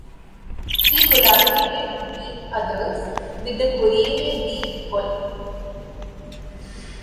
He collaborated, between others, with the Corriere dei Piccoli.